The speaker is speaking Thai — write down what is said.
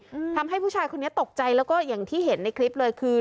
อืมทำให้ผู้ชายคนนี้ตกใจแล้วก็อย่างที่เห็นในคลิปเลยคือ